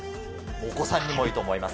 お子さんにもいいと思います。